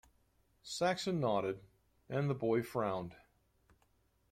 Saxon nodded, and the boy frowned.